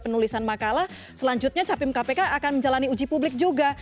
penulisan makalah selanjutnya capim kpk akan menjalani uji publik juga